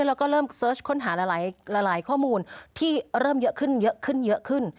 แล้วก็เริ่มเสิร์ชค้นหาหลายข้อมูลที่เริ่มเยอะขึ้นเยอะขึ้นเยอะขึ้น